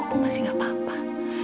aku masih gak apa apa